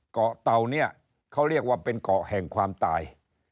เตาเนี่ยเขาเรียกว่าเป็นเกาะแห่งความตาย